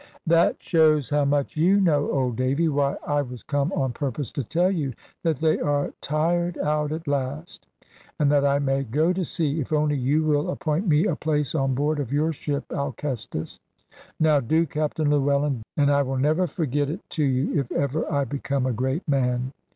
"That shows how much you know, old Davy! Why I was come on purpose to tell you that they are tired out at last: and that I may go to sea, if only you will appoint me a place on board of your ship Alcestis. Now do, Captain Llewellyn, do, and I will never forget it to you, if ever I become a great man."